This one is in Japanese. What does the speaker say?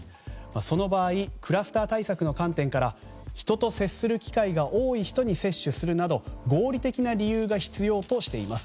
その場合クラスター対策の観点から人と接する機会が多い人に接種するなど合理的な理由が必要としています。